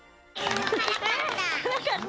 辛かった。